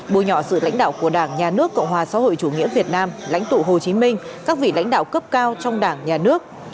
bôi nhọ sự lãnh đạo của đảng nhà nước cộng hòa xã hội chủ nghĩa việt nam lãnh tụ hồ chí minh các vị lãnh đạo cấp cao trong đảng nhà nước